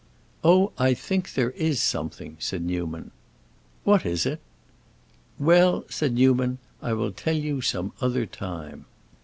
"Oh, I think there is something," said Newman. "What is it?" "Well," murmured Newman, "I will tell you some other time!"